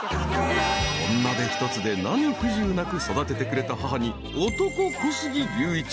［女手一つで何不自由なく育ててくれた母に男小杉竜一。